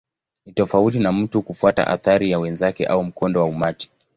Ni tofauti na mtu kufuata athari ya wenzake au mkondo wa umati.